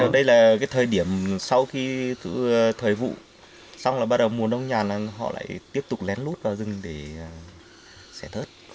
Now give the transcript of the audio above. đây là thời điểm sau khi thời vụ xong là bắt đầu mùa nông nhàn họ lại tiếp tục lén lút vào rừng để xẻ thớt